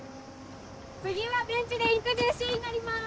次はベンチでインタビューシーンになります！